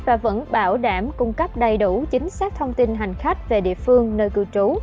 và vẫn bảo đảm cung cấp đầy đủ chính xác thông tin hành khách về địa phương nơi cư trú